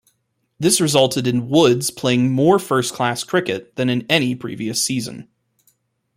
This resulted in Woods playing more first-class cricket than in any previous season.